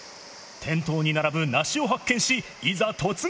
店頭に並ぶなしを発見し、いざ突撃！